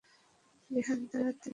রেহান তারাতাড়ি, নানুকে ডাকো।